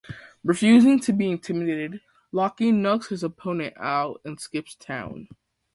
Refusing to be intimidated, Lucky knocks his opponent out and skips town.